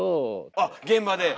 あっ現場で。